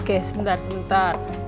oke sebentar sebentar